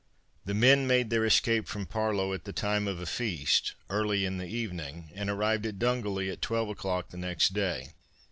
The men made their escape from Parlow at the time of a feast, early in the evening, and arrived at Dungally at twelve o'clock the next day.